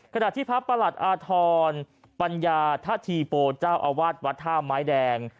ขณะที่พระประหลัดอาธรปัญญาทะธีโปเจ้าอาวาสวัดท่าไม้แดง